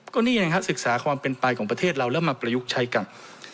ก็นี่ไงฮะศึกษาความเป็นไปของประเทศเราแล้วมาประยุกต์ใช้กัน